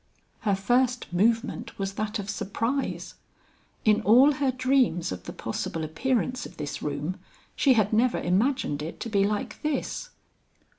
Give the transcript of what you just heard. Her first movement was that of surprise. In all her dreams of the possible appearance of this room, she had never imagined it to be like this.